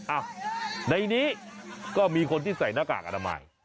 อ้าวในนี้ก็มีคนที่ใส่หน้ากากอนามัย